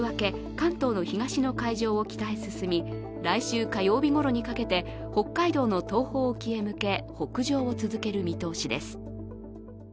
関東の東の海上を北へ進み来週火曜日ごろにかけて北海道の東方沖へ向け北上を続ける見通しです。